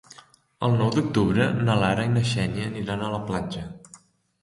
El nou d'octubre na Lara i na Xènia aniran a la platja.